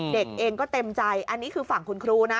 เด็กเองก็เต็มใจอันนี้คือฝั่งคุณครูนะ